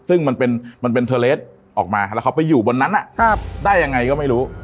ซึ่งมันเป็นเทอร์เลสออกมาแล้วเขาไปอยู่บนนั้นได้ยังไงก็ไม่รู้